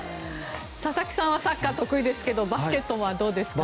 佐々木さんはサッカー得意ですがバスケットはどうですか？